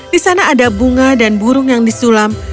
di sana ada bunga dan burung yang disulam